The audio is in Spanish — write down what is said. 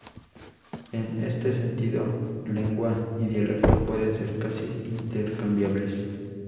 En este sentido, "lengua" y "dialecto" pueden ser casi intercambiables.